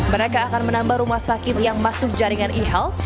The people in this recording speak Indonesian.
mereka akan menambah rumah sakit yang masuk jaringan ehal